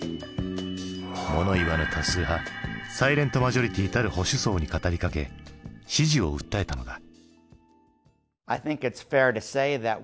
物言わぬ多数派サイレント・マジョリティたる保守層に語りかけ支持を訴えたのだ。